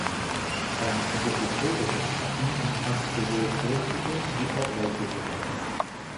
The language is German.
Sein kompositorisches Schaffen umfasst sowohl kirchliche wie auch weltliche Werke.